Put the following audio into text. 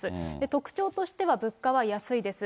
特徴としては物価は安いです。